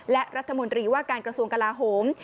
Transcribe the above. และรัฐมนตรีว่าการกระทรวงกลาโหม